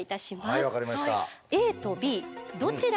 はい分かりました。